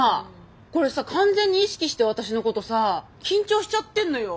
これさ完全に意識して私のことさ緊張しちゃってんのよ。